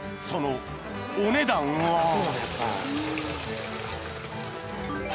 ［そのお値段は］